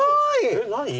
えっ何？